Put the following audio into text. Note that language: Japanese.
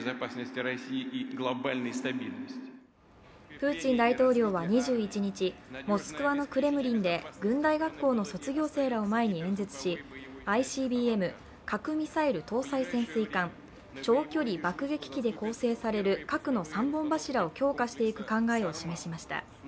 プーチン大統領は２１日、モスクワのクレムリンで軍大学校の卒業生らを前に演説し、ＩＣＢＭ、核ミサイル搭載潜水艦、長距離爆撃機で構成される核の三本柱を強化していく考えを示しました。